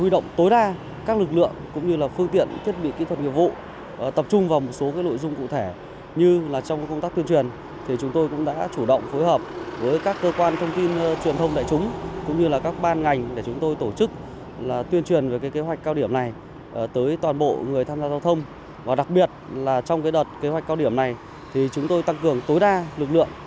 đặc biệt là trong cái đợt kế hoạch cao điểm này thì chúng tôi tăng cường tối đa lực lượng